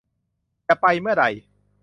จะไปเมื่อใด